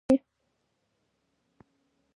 که ماشومان مصروف نه وي، وخت ورو تېریږي.